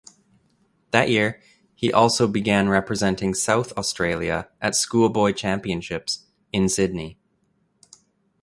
That year he also began representing South Australia at schoolboy championships in Sydney.